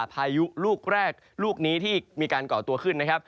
พายุลูกแรกลูกนี้ที่มีการก่อตัวขึ้นนะครับ